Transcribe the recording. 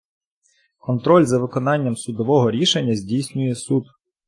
Контроль за виконанням судового рішення здійснює суд.